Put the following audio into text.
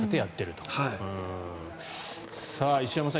石山さん